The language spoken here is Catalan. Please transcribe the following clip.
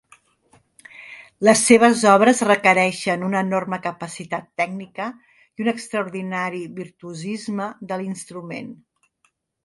Les seves obres requereixen una enorme capacitat tècnica i un extraordinari virtuosisme de l'instrument.